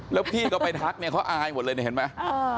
แล้วพี่ก็ไปทักเนี่ยเขาอายหมดเลยเนี่ยเห็นไหม